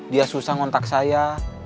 dia susah ngontak saya